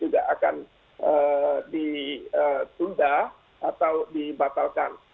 juga akan ditunda atau dibatalkan